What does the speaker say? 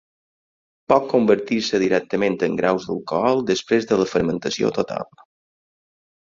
Pot convertir-se directament en graus d'alcohol després de la fermentació total.